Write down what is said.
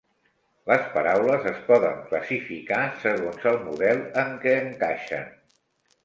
Les paraules es poden classificar segons el model en què encaixen.